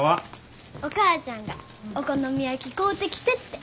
お母ちゃんがお好み焼き買うてきてって。